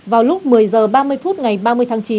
vào lúc một mươi h ba mươi phút ngày ba mươi tháng chín